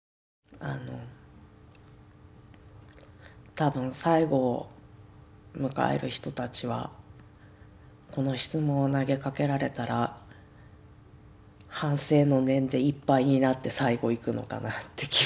多分最後を迎える人たちはこの質問を投げかけられたら反省の念でいっぱいになって最後逝くのかなって気がしますね。